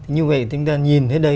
như vậy chúng ta nhìn hết đây